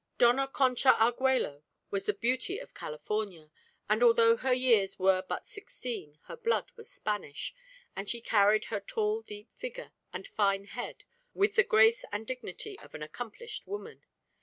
Dona "Concha" Arguello was the beauty of California, and although her years were but sixteen her blood was Spanish, and she carried her tall deep figure and fine head with the grace and dignity of an accomplished woman.